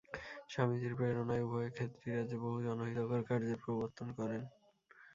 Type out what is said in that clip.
স্বামীজীর প্রেরণায় উভয়ে খেতড়ি রাজ্যে বহু জনহিতকর কার্যের প্রবর্তন করেন।